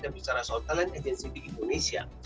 bicara soal talent agency di indonesia